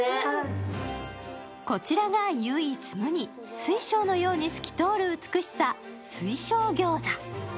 こちらが唯一無二、水晶のように透き通る美しさ、水晶餃子。